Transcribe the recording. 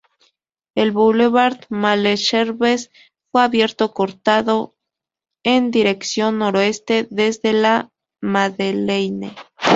El boulevard Malesherbes fue abierto cortando en dirección noroeste desde La Madeleine.